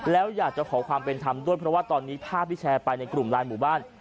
แล้วอยากจะผมทางสามแพร่งด้วยเพราะว่าคุณใส่บ่อนี้กลุ่มไลน์หมู่บ้าน